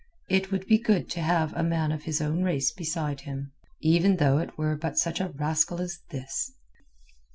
It would be good to have a man of his own race beside him, even though it were but such a rascal as this.